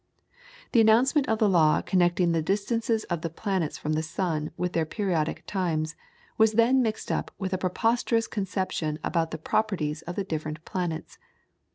The announcement of the law connecting the distances of the planets from the sun with their periodic times, was then mixed up with a preposterous conception about the properties of the different planets.